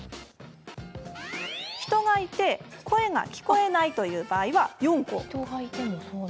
人がいて声が聞こえない場合は４個。